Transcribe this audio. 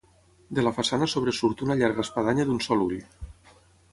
De la façana sobresurt una llarga espadanya d'un sol ull.